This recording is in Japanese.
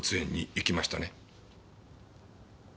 行きました。